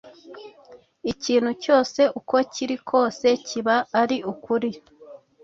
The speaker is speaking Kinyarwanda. ikintu cyose, uko kiri kose kiba ari ukuri,